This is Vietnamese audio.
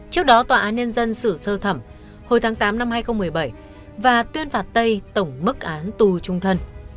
trước đó tòa án nhân dân xử sơ thẩm hồi tháng tám năm hai nghìn một mươi bảy và tuyên phạt tây tổng mức án tù trung thân